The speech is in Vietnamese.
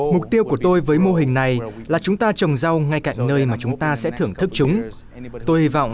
mục tiêu của tôi với mô hình này là chúng ta trồng rau ngay cạnh nơi mà chúng ta sẽ thưởng thức chúng